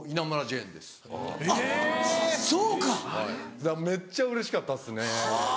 だからめっちゃうれしかったですね。